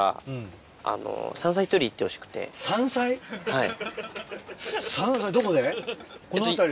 はい。